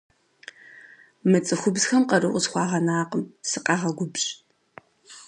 Мы цӏыхубзхэм къару къысхуагъэнакъым, сыкъагъэгубжь.